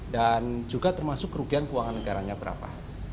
dan juga termasuk kerugian keuangan negaranya berapa